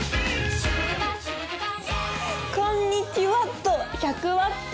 こんにちワット１００ワット。